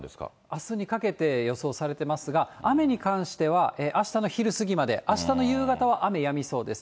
あすにかけて予想されてますが、雨に関してはあしたの昼過ぎまで、あしたの夕方は雨やみそうです。